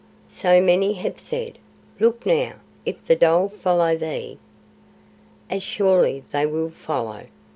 "So many have said. Look now, if the dhole follow thee " "As surely they will follow.